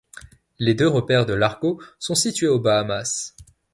Les deux repaires de Largo sont situés aux Bahamas.